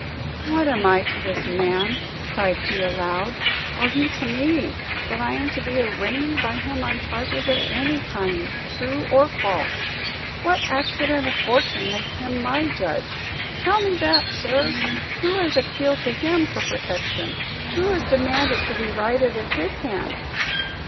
"What am I to this man," cried he, aloud, "or he to me, that I am to be arraigned by him on charges of any kind, true or false? What accident of fortune makes him my judge? Tell me that, sir. Who has appealed to him for protection? Who has demanded to be righted at his hand?"